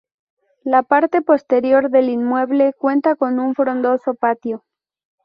La parte posterior del inmueble cuenta con un frondoso patio.